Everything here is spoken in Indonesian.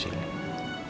saya masih ada urusan lain